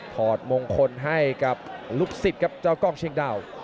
ถอดมงคลให้กับลูกศิษย์ครับเจ้ากล้องเชียงดาว